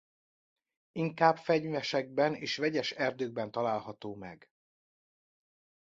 Inkább fenyvesekben és vegyes erdőkben található meg.